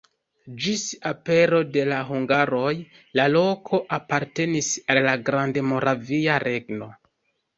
Ĝis apero de la hungaroj la loko apartenis al la Grandmoravia Regno.